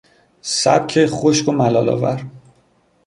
سبک خشک و ملالآور